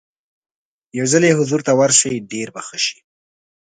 یو ځل یې حضور ته ورشئ ډېر به ښه شي.